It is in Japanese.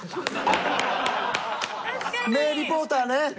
名リポーターね。